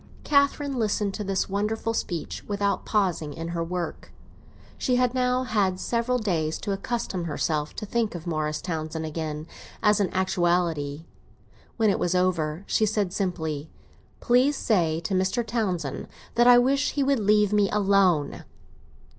Catherine listened to this wonderful speech without pausing in her work; she had now had several days to accustom herself to think of Morris Townsend again as an actuality. When it was over she said simply, "Please say to Mr. Townsend that I wish he would leave me alone."